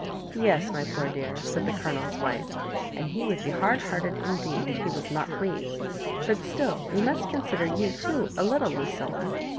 " Yes, my poor dear," said the Colonel's wife, "and he would be hard hearted indeed if he was not pleased ; but still we must consider you too a little, Lucilla.